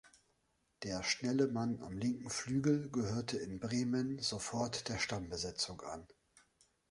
Der schnelle Mann am linken Flügel gehörte in Bremen sofort der Stammbesetzung an.